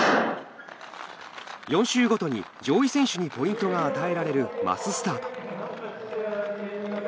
４周ごとに、上位選手にポイントが与えられるマススタート。